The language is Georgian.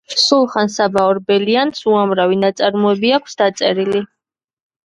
სულხან-საბა ორბელიანს უამრავი ნაწარმოები აქვს დაწერილი